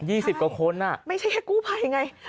๒๐กว่าคนน่ะอีกสามไม่ใช่แค่กู้ภัยไง